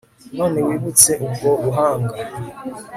None wibutse ubwo buhanga